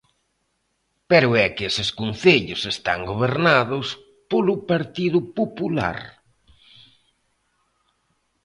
Pero é que eses concellos están gobernados polo Partido Popular.